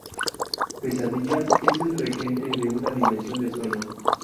Pesadilla es el regente de una dimensión de sueño.